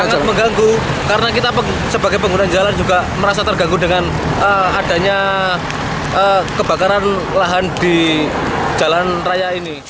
sangat mengganggu karena kita sebagai pengguna jalan juga merasa terganggu dengan adanya kebakaran lahan di jalan raya ini